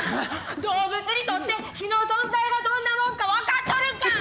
動物にとって火の存在がどんなもんか分かっとるんかい！